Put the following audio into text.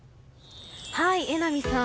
榎並さん。